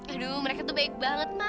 aduh mereka tuh baik banget